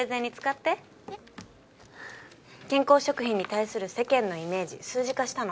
健康食品に対する世間のイメージ数字化したの。